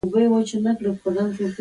خرما د ویښتو د روغتیا لپاره ښه ده.